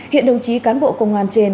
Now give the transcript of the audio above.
hiện đồng chí cán bộ công an trên